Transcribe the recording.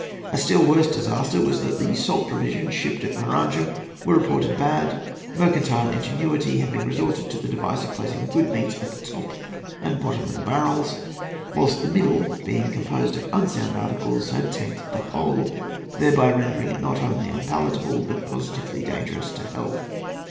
A still worse disaster was that the salt provisions shipped at Maranham were reported bad, mercantile ingenuity having resorted to the device of placing good meat at the top and bottom of the barrels, whilst the middle, being composed of unsound articles, had tainted the whole, thereby rendering it not only unpalatable but positively dangerous to health.